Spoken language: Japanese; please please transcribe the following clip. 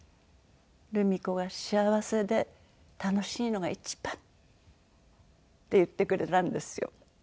「ルミ子が幸せで楽しいのが一番」って言ってくれたんですよ。